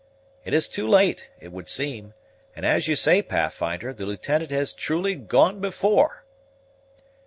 It is too late, it would seem; and, as you say, Pathfinder, the Lieutenant has truly gone before."